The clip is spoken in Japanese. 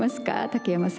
竹山さん。